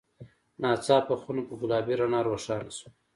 ناڅاپه خونه په ګلابي رڼا روښانه شوه.